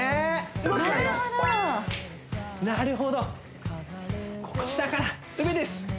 なるほど下から上です